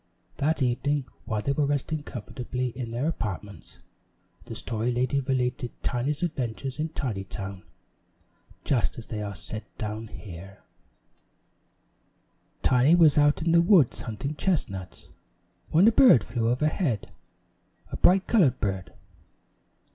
That evening while they were resting comfortably in their apartments, the Story Lady related Tiny's Adventures in Tinytown just as they are set down here. Tiny Gets Lost Tiny was out in the woods hunting chestnuts, when a bird flew overhead, a bright colored bird.